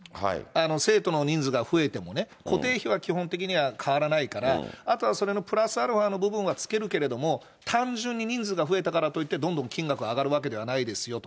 生徒の人数が増えてもね、固定費は基本的には変わらないから、あとはそれのプラスアルファの部分はつけるけれども、単純に人数が増えたからといって、どんどんどんどん金額が上がるわけじゃないですよと。